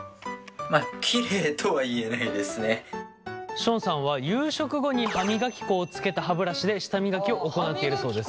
ションさんは夕食後に歯磨き粉をつけた歯ブラシで舌磨きを行っているそうです。